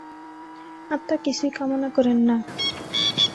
আত্মা কিছুই কামনা করেন না।